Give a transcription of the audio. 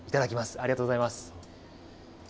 ありがとうございます。